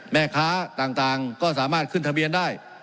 แม่ค้าต่างก็สามารถขึ้นทะเบียนได้